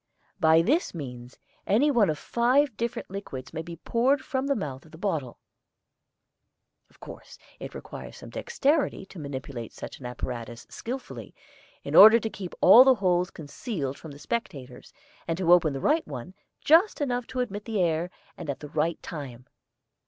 By this means any one of five different liquids may be poured from the mouth of the bottle. [Illustration: Fig. 2.] Of course it requires some dexterity to manipulate such an apparatus skillfully, in order to keep all the holes concealed from the spectators, and to open the right one, just enough to admit the air, and at the right time.